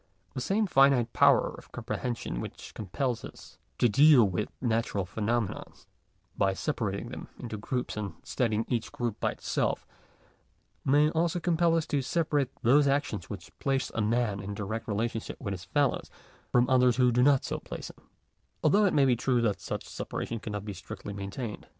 The same finite power of comprehension which compels us to deal with natural phenomena by separating them into groups and studying each group by itself, may also compel us to separate those actions which place a man in direct relationship with his fellows, from others which do not so place him; although it may be true that such a separation cannot be strictly main tained.